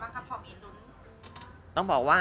พี่มาร์ค่ะเป็นยังไงบ้างครับพอมีลุ้น